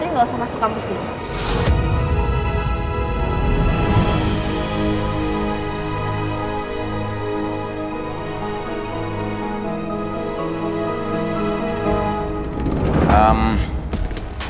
tante ini nggak usah masuk kampus ini